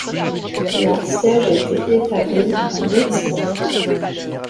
Leur siège était établi à Mexico.